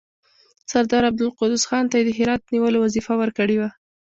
سردار عبدالقدوس خان ته یې د هرات نیولو وظیفه ورکړې وه.